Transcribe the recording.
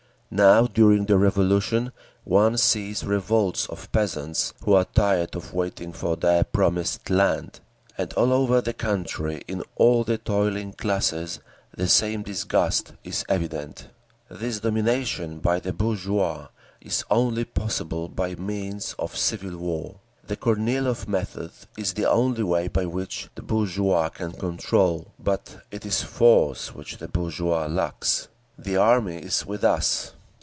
Now, during the Revolution, one sees revolts of peasants who are tired of waiting for their promised land; and all over the country, in all the toiling classes, the same disgust is evident. This domination by the bourgeoisie is only possible by means of civil war. The Kornilov method is the only way by which the bourgeoisie can control. But it is force which the bourgeoisie lacks…. The Army is with us.